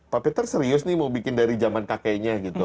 pak peter serius nih mau bikin dari zaman kakeknya gitu